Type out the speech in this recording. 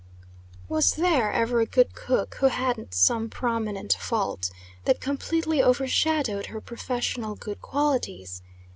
WAS there ever a good cook who hadn't some prominent fault that completely overshadowed her professional good qualities?